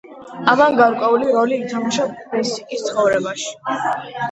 ამან გარკვეული როლი ითამაშა ბესიკის ცხოვრებაში.